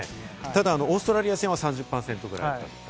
ただオーストラリア戦は３０％くらい。